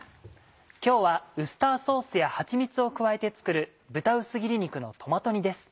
今日はウスターソースやはちみつを加えて作る「豚薄切り肉のトマト煮」です。